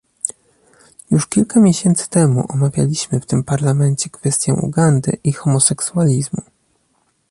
Już kilka miesięcy temu omawialiśmy w tym Parlamencie kwestię Ugandy i homoseksualizmu